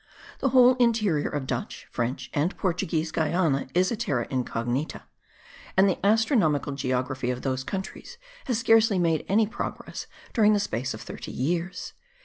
The whole interior of Dutch, French and Portuguese Guiana is a terra incognita; and the astronomical geography of those countries has scarcely made any progress during the space of thirty years.